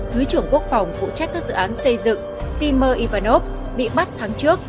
thứ trưởng quốc phòng phụ trách các dự án xây dựng timur ivanov bị bắt tháng trước